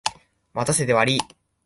待たせてわりい。